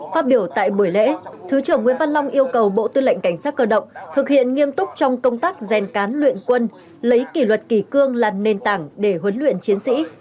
phát biểu tại buổi lễ thứ trưởng nguyễn văn long yêu cầu bộ tư lệnh cảnh sát cơ động thực hiện nghiêm túc trong công tác rèn cán luyện quân lấy kỷ luật kỳ cương là nền tảng để huấn luyện chiến sĩ